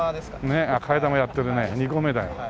ねっ替え玉やってるね２個目だ。